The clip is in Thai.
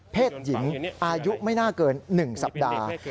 หญิงอายุไม่น่าเกิน๑สัปดาห์